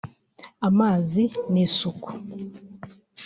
amazi n’isuku